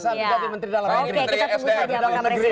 oke kita tunggu saja menteri sd